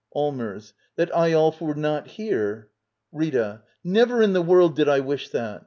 . Allmers. That Eyolf were not here. Rtta. Never in the world did I wish that!